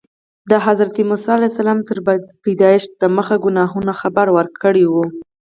د حضرت موسی علیه السلام تر پیدایښت دمخه کاهنانو خبر ورکړی و.